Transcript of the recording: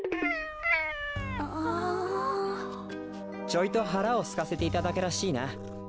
ちょいとはらをすかせていただけらしいな。